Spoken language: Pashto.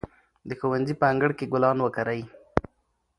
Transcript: د ښوونځي په انګړ کې ګلان وکرئ.